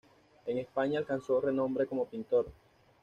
En España alcanzó renombre como pintor.